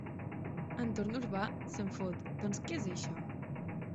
Entorn urbà? –se'n fot— Doncs què és, això?